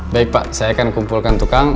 baik pak saya akan kumpulkan tukang